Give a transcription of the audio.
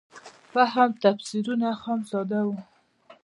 فهم تفسیرونه خام ساده وو.